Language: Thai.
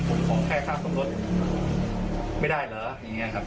คุณขอแค่ค่าซ่อมรถไม่ได้เหรออย่างนี้ครับ